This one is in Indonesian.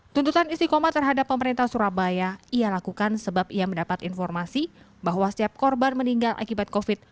tuntutan istiqomah terhadap pemerintah surabaya ia lakukan sebab ia mendapat informasi bahwa setiap korban meninggal akibat covid sembilan belas